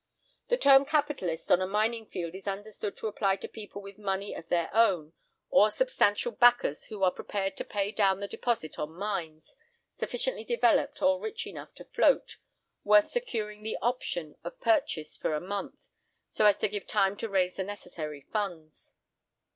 The term "capitalist" on a mining field is understood to apply to people with money of their own, or substantial backers who are prepared to pay down the deposit on mines, sufficiently developed or rich enough to "float"; worth securing the "option" of purchase for a month, so as to give time to raise the necessary funds.